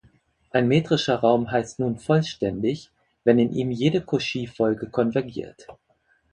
Ein metrischer Raum heißt nun vollständig, wenn in ihm jede Cauchy-Folge konvergiert.